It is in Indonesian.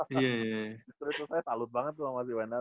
justru itu saya talut banget loh sama si wenda tuh